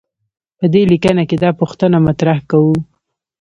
په دې لیکنه کې دا پوښتنه مطرح کوو.